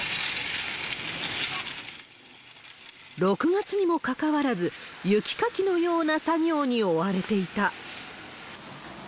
６月にもかかわらず、雪かきのような作業に終われていた。